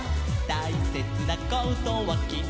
「たいせつなことはきっときっと」